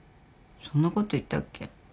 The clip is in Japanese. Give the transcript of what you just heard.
そんなこと言ったっけ？